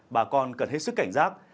bà con cần hết sức cảnh giác